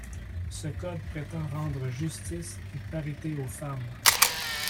Ce code prétend rendre justice et parité aux femmes.